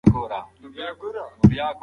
حنکير رانجه يو ژوندي دود بولي.